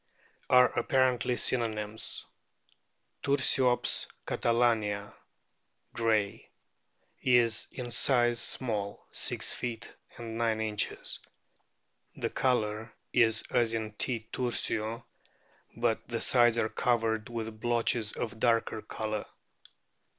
are apparently synonyms. Tursiops catalania, Gray,* is in size small (6 feet 9 inches). The colour is as in T. tursio, but the sides are covered with blotches of darker colour.